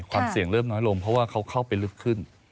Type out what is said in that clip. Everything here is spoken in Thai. ความเสี่ยงเริ่มน้อยลงเพราะว่าเขาเข้าไปลึกขึ้น